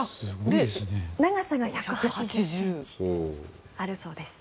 長さが１８０ｃｍあるそうです。